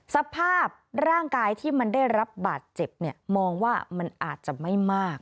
สภาพร่างกายที่มันได้รับบาดเจ็บเนี่ยมองว่ามันอาจจะไม่มาก